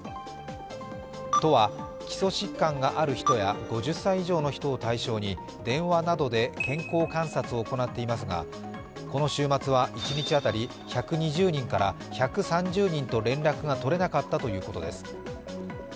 都は、基礎疾患がある人や５０歳以上の人を対象に電話などで健康観察を行っていますがこの週末は一日当たり１２０人から１３０人と連絡が取れなかったということです。